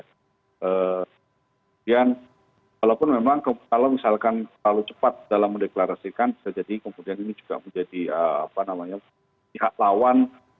kemudian walaupun memang kalau misalkan terlalu cepat dalam mendeklarasikan bisa jadi kemudian ini juga menjadi pihak lawan